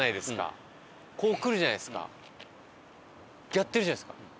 やってるじゃないですか。